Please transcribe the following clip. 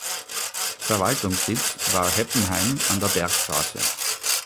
Verwaltungssitz war Heppenheim an der Bergstraße.